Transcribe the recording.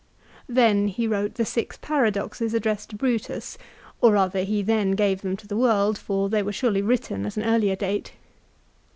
Then he wrote the six Paradoxes ad dressed to Brutus, or rather he then gave them to the world, for they were surely written at an earlier date.